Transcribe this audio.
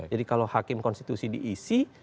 jadi kalau hakim konstitusi diisi